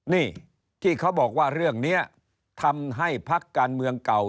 นี่ที่เขาบอกว่าเรื่องนี้ทำให้พักการเมืองเก่า